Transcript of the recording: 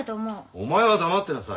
お前は黙ってなさい。